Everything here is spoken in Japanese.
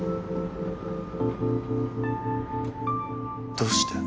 どうして？